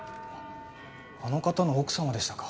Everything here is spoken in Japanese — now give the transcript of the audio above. あの方の奥様でしたか。